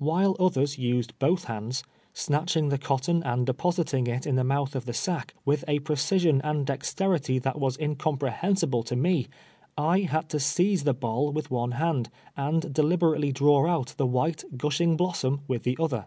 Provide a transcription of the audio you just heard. AVhilo others used both hands, snatching the cotton and de positing it in the mouth of the sack, with a precision and dexterity that was incomprehensible to me, I had to seize the boll with one hand, and deliberately draw out the white, gushing blossom with the other.